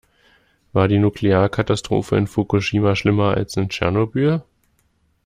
War die Nuklearkatastrophe in Fukushima schlimmer als in Tschernobyl?